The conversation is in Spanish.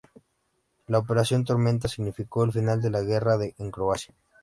La "Operación Tormenta" significó el final de la guerra en Croacia.